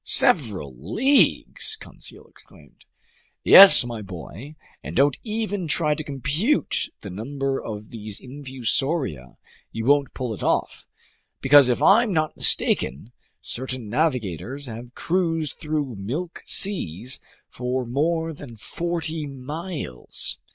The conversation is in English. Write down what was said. "Several leagues!" Conseil exclaimed. "Yes, my boy, and don't even try to compute the number of these infusoria. You won't pull it off, because if I'm not mistaken, certain navigators have cruised through milk seas for more than forty miles."